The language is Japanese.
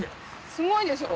すごいでしょ？